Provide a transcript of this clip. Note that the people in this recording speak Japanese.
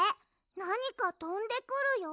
なにかとんでくるよ。